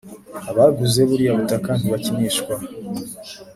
abaguze buriya butaka ntibakinishwa